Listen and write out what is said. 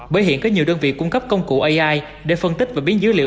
bởi hiện có nhiều đơn vị cung cấp công cụ ai để phân tích và biến dữ liệu